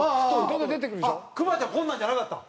熊ちゃんこんなんじゃなかった。